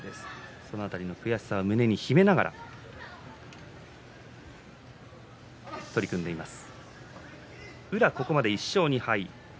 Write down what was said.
その辺りの悔しさを胸に秘めながら取り組んでいます。